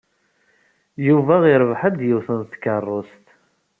Yuba yerbeḥ-d yiwet n tkeṛṛust.